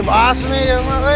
wah kaya begini orang balma